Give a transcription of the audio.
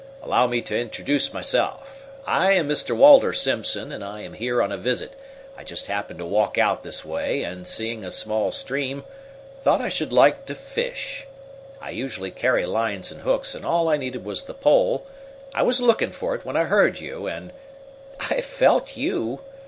Allow me to introduce myself. I am Mr. Walter Simpson, and I am here on a visit I just happened to walk out this way, and, seeing a small stream, thought I should like to fish. I usually carry lines and hooks, and all I needed was the pole. I was looking for it when I heard you, and " "I felt you!"